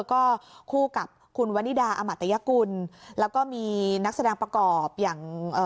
ก็คู่กับคุณวันนิดาอมัตยกุลแล้วก็มีนักแสดงประกอบอย่างเอ่อ